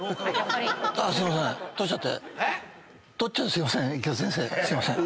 すいません。